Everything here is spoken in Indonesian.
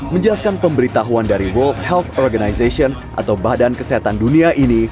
menjelaskan pemberitahuan dari world health organization atau badan kesehatan dunia ini